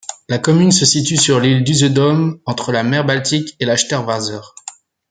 La commune se situe sur l'île d'Usedom entre la mer Baltique et l'Achterwasser.